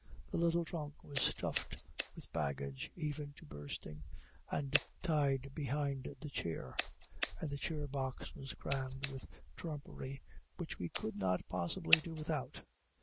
The little trunk was stuffed with baggage, even to bursting, and tied behind the chair, and the chair box was crammed with trumpery which we could not possibly do without.